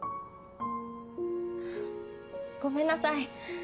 ごめんなさい。